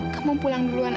kamu pulang duluan aja